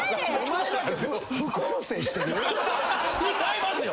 違いますよ！